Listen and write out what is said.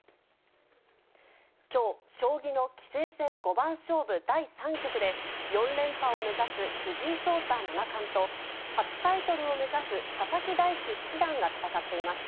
きょう、将棋の棋聖戦五番勝負第３局で、４連覇を目指す藤井聡太七冠と、初タイトルを目指す佐々木大地七段が戦っています。